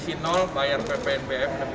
iya beda berbasis kepada emisi